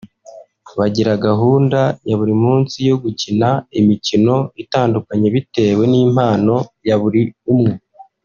bagira gahunda ya buri munsi yo gukina imikino itandukanye bitewe n’impano ya buri umwe